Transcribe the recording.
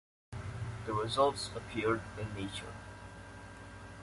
The results appeared in Nature.